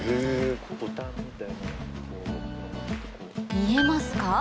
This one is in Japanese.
見えますか？